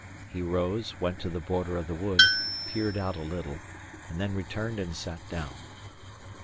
He rose, went to the border of the wood, peered out a little, and then returned and sat down.